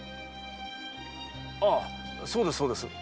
ああそうですそうです。